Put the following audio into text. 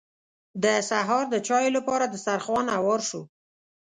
د سهار د چايو لپاره دسترخوان هوار شو.